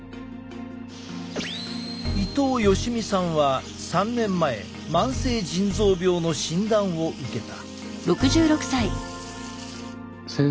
伊東好三さんは３年前慢性腎臓病の診断を受けた。